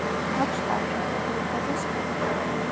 აქვს კარგი მხედველობა და სმენა.